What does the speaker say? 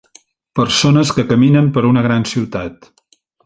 Persones que caminen per una gran ciutat.